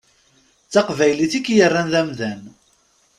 D taqbaylit i k-yerran d amdan.